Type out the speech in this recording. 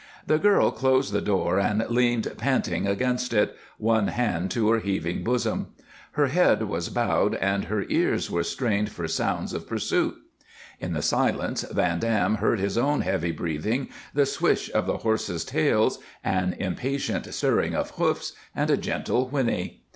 The girl closed the door and leaned panting against it, one hand to her heaving bosom. Her head was bowed and her ears were strained for sounds of pursuit. In the silence Van Dam heard his own heavy breathing, the swish of the horses' tails, an impatient stirring of hoofs, and a gentle whinny.